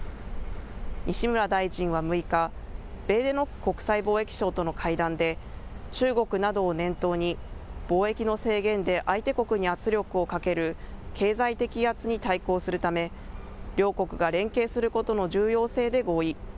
西村大臣は６日、ベーデノック国際貿易相との会談で、中国などを念頭に、貿易の制限で相手国に圧力をかける経済的威圧に対抗するため、両国が連携することの重要性で合意。